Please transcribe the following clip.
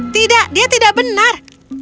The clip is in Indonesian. tidak dia tidak benar